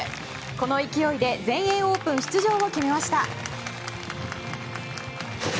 この勢いで全英オープン出場を決めました。